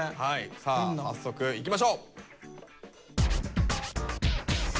さあ早速いきましょう。